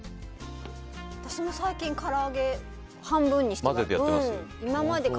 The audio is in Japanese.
私も最近から揚げ、半分にしてます。